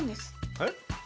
えっ？